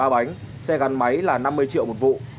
ba bánh xe gắn máy là năm mươi triệu một vụ